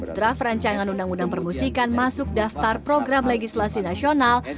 draft rancangan undang undang permusikan masuk daftar program legislasi nasional